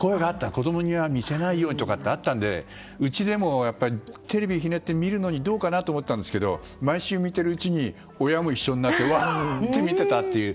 子供には見せないようにとかあったのでうちでもテレビをひねって見るのにどうかなと思ったんですが毎週見ているうちに親も一緒になって笑って見ていたという。